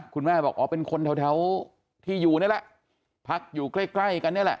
คุณแม่บอกอ๋อเป็นคนแถวที่อยู่นี่แหละพักอยู่ใกล้ใกล้กันนี่แหละ